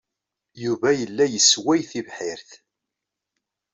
Yuba yella yessway tibḥirt.